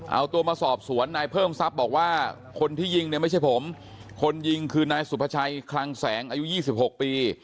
เอาตัวมาสอบสวนนายเพิ่มทรัพย์บอกว่าคนที่ยิงเนี่ยไม่ใช่ผมคนยิงคือนายสุภาชัยคลังแสงอายุ๒๖ปี